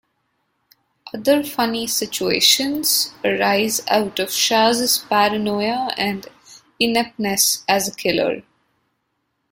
Other funny situations arise out of Chaz's paranoia and ineptness as a killer.